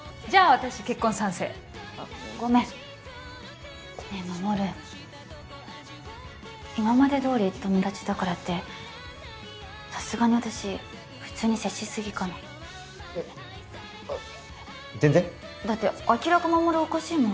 私結婚賛成ごめんねえ衛今までどおり友達だからってさすがに私普通に接しすぎかなえっあ全然だって明らか衛おかしいもん